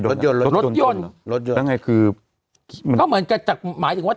รถยนต์รถรถยนต์รถยนต์แล้วไงคือก็เหมือนกันจากหมายถึงว่า